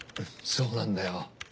そうなんだよ。